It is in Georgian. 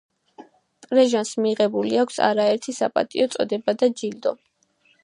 პრეჟანს მიღებული აქვს არაერთი საპატიო წოდება და ჯილდო.